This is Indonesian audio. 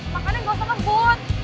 makanya gak usah ngebut